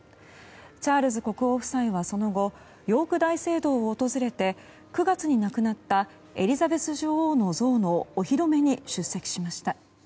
チャールズ国王夫妻はその後ヨーク大聖堂を訪れて９月に亡くなったエリザベス女王の像のお披露目に出席しました。